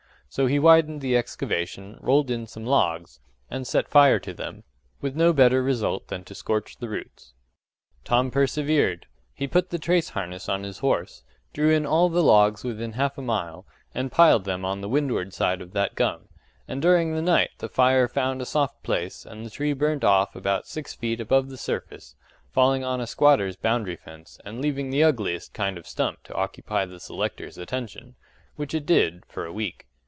So he widened the excavation, rolled in some logs, and set fire to them with no better result than to scorch the roots. Tom persevered. He put the trace harness on his horse, drew in all the logs within half a mile, and piled them on the windward side of that gum; and during the night the fire found a soft place, and the tree burnt off about six feet above the surface, falling on a squatter's boundary fence, and leaving the ugliest kind of stump to occupy the selector's attention; which it did, for a week.